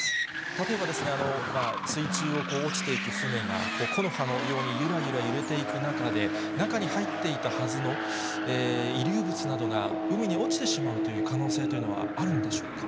例えば、水中を落ちていく船が、木の葉のようにゆらゆら揺れていく中で、中に入っていたはずの遺留物などが海に落ちてしまうという可能性というのはあるんでしょうか。